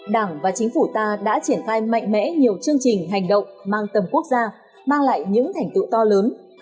đảng và chính phủ ta đã triển khai mạnh mẽ nhiều chương trình hành động mang tầm quốc gia mang lại những thành tựu to lớn